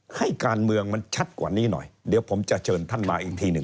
ให้การเมืองมันชัดกว่านี้หน่อยเดี๋ยวผมจะเชิญท่านมาอีกทีหนึ่ง